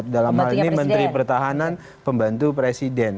dalam hal ini menteri pertahanan pembantu presiden